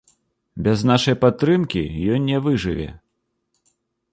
Без нашай падтрымкі ён не выжыве.